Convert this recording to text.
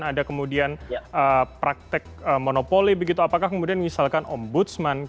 ada kemudian praktek monopoli begitu apakah kemudian misalkan ombudsman kapal dan lain lain